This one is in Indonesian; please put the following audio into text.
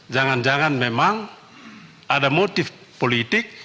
jangan jangan memang ada motif politik